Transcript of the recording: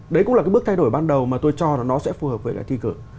đấy cũng là cái bước thay đổi ban đầu mà tôi cho là nó sẽ phù hợp với cả thi cử